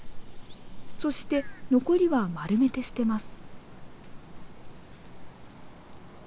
そして残りは丸めて捨てます。